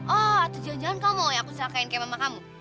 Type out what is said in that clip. atau jangan jangan kamu mau yang aku ncelakain kek mama kamu